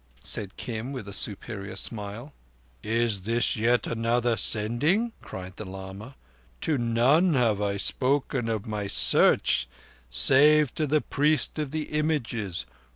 said Kim, with a superior smile. "Is this yet another Sending?" cried the lama. "To none have I spoken of my search, save to the Priest of the Images.